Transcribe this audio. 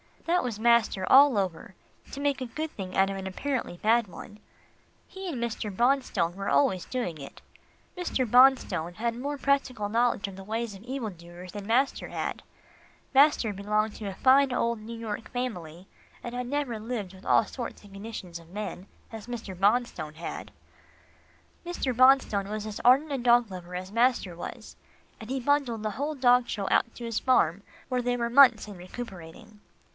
That was master all over to make a good thing out of an apparently bad one. He and Mr. Bonstone were always doing it. Mr. Bonstone had more practical knowledge of the ways of evil doers than master had. Master belonged to a fine old New York family, and had never lived with all sorts and conditions of men, as Mr. Bonstone had. Mr. Bonstone was as ardent a dog lover as master was, and he bundled the whole dog show out to his farm, where they were months in recuperating.